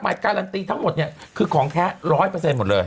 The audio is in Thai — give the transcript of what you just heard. หมายการันตีทั้งหมดเนี่ยคือของแท้๑๐๐เปอร์เซ็นต์หมดเลย